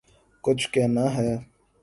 کچھ کہنا ہے